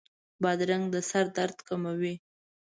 بادرنګ د سر درد کموي.